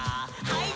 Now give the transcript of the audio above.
はい。